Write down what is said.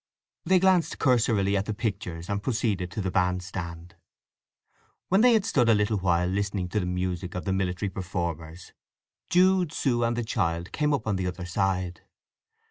They glanced cursorily at the pictures, and proceeded to the band stand. When they had stood a little while listening to the music of the military performers, Jude, Sue, and the child came up on the other side.